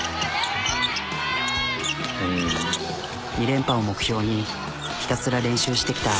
２連覇を目標にひたすら練習してきた。